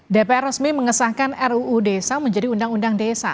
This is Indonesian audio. dpr resmi mengesahkan ruu desa menjadi undang undang desa